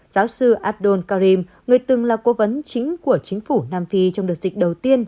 giáo sư abdol karim người từng là cố vấn chính của chính phủ nam phi trong đợt dịch đầu tiên